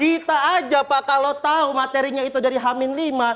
kita aja pak kalau tahu materinya itu dari hamin lima